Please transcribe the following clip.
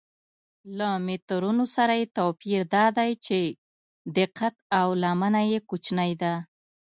له مترونو سره یې توپیر دا دی چې دقت او لمنه یې کوچنۍ ده.